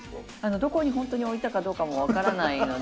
どこにほんとに置いたかどうかも分からないので。